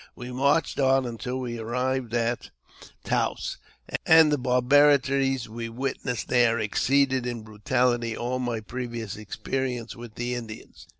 We marched on until we arrived at Taos, and the barbarities we witnessed there ex ceeded in brutality all my previous experience with the Indians.